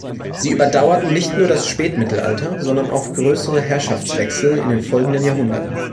Sie überdauerten nicht nur das Spätmittelalter, sondern auch größere Herrschaftswechsel in den folgenden Jahrhunderten.